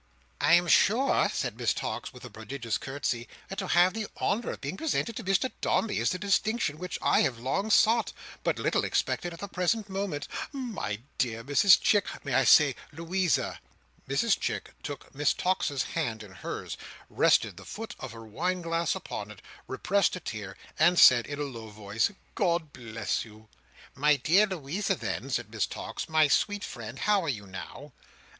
"I am sure," said Miss Tox, with a prodigious curtsey, "that to have the honour of being presented to Mr Dombey is a distinction which I have long sought, but very little expected at the present moment. My dear Mrs Chick—may I say Louisa!" Mrs Chick took Miss Tox's hand in hers, rested the foot of her wine glass upon it, repressed a tear, and said in a low voice, "God bless you!" "My dear Louisa then," said Miss Tox, "my sweet friend, how are you now?"